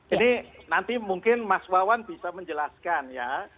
ini nanti mungkin mas wawan bisa menjelaskan ya